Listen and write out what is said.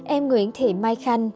em nguyễn thị mai khanh